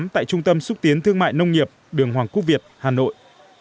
tại trung tâm xúc tiến thương mại nông nghiệp đường hoàng quốc việt hà nội